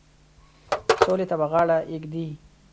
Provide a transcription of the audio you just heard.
سولي ته به غاړه ایږدي.